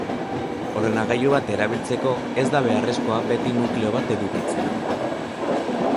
Ordenagailu bat erabiltzeko ez da beharrezkoa beti nukleo bat edukitzea.